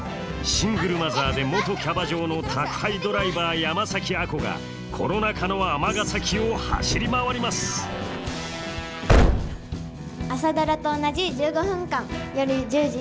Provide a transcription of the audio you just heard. シングルマザーで元キャバ嬢の宅配ドライバー山崎亜子がコロナ禍の尼崎を走り回ります「朝ドラ」と同じ１５分間。